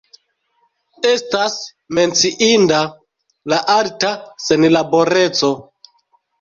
Estas menciinda la alta senlaboreco.